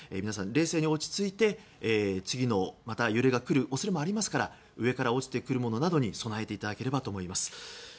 皆さん、冷静に落ち着いて次の揺れが来る恐れもありますから上から落ちてくるものなどに備えていただければと思います。